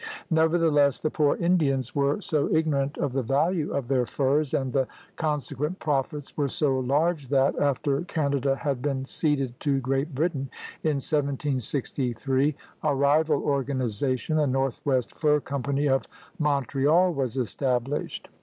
Nevertheless the poor Indians were THE GARMENT OF VEGETATION 93 so ignorant of the value of their furs and the con sequent profits were so large that, after Canada had been ceded to Great Britain in 1763, a rival organization, the Northwest Fur Company of Mon treal, was established.